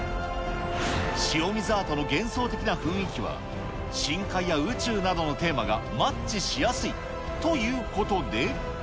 塩水アートの幻想的な雰囲気は、深海や宇宙などのテーマがマッチしやすいということで。